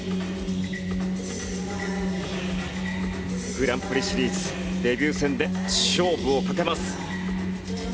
グランプリシリーズデビュー戦で勝負を懸けます。